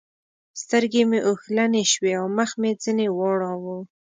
سترګې مې اوښلنې شوې او مخ مې ځنې واړاوو.